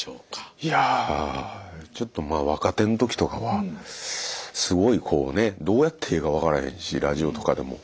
いやちょっとまあ若手の時とかはすごいこうねどうやってええか分からへんしラジオとかでも。